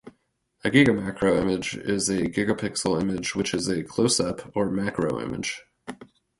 A gigamacro image is a gigapixel image which is a close-up or macro image.